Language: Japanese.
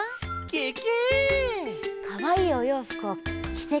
ケケ。